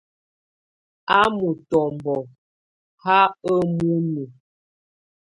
A mutɔmbɔ ha ə munu.